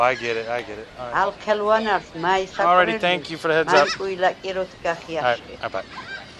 ალ ჴელუ̂ანა̈რს, მა̈ჲ საკუ̂რელ ლი, მა̈ნკუ̂ი ლა̈კირ ოთგახ ი ა̈შხიხ.